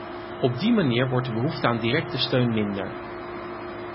Op die manier wordt de behoefte aan directe steun minder.